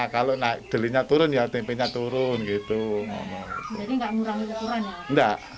kalau naik delinya turun ya tempenya turun gitu ngomong jadi nggak murah murah enggak